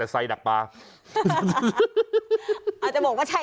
ยืนยันว่าม่อข้าวมาแกงลิงทั้งสองชนิด